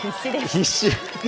必死。